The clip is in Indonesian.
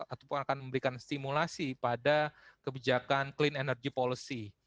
atau akan memberikan stimulasi pada kebijakan clean energy policy